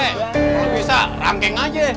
kalau bisa rangkeng aja